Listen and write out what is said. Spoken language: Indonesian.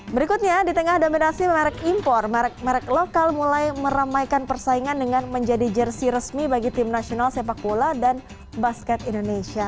berikutnya di tengah dominasi merek impor merek merek lokal mulai meramaikan persaingan dengan menjadi jersi resmi bagi tim nasional sepak bola dan basket indonesia